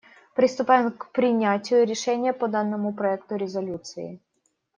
Приступаем к принятию решения по данному проекту резолюции.